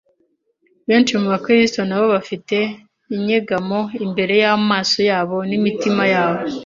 Benshi mu Bakristo na bo bafite inyegamo imbere y’amaso yabo n’imitima yabo